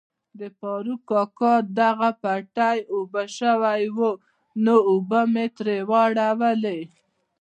د فاروق کاکا دغو پټی اوبه شوای وو نو اوبه می تري واړولي.